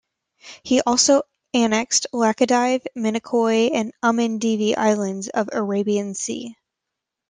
He also annexed Laccadive, Minicoy and Amindivi islands of Arabian sea.